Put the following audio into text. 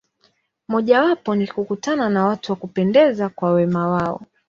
Mojawapo ni kukutana na watu wa kupendeza kwa wema wao.